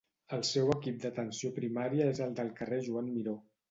El seu equip d'atenció primària és el del carrer Joan Miró.